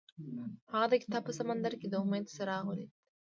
هغه د کتاب په سمندر کې د امید څراغ ولید.